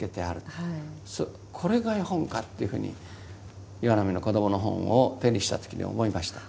これが絵本かっていうふうに岩波の子どもの本を手にした時に思いました。